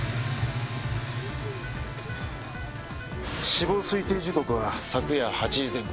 死亡推定時刻は昨夜８時前後。